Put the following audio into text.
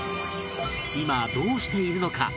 今どうしているのか？